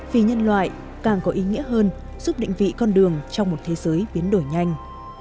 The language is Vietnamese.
vì nhân loại càng có ý nghĩa hơn giúp định vị con đường trong một thế giới biến đổi nhanh